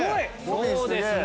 そうですね。